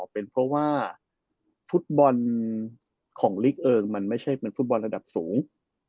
เป็นเพราะว่าฟุตบอลของลีกเองมันไม่ใช่เป็นฟุตบอลระดับสูง